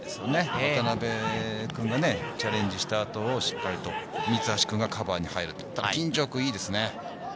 渡邊君がね、チャレンジした後をしっかりと三橋君がカバーに入る、金城君いいですね。